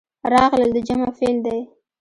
راغلل د جمع فعل دی.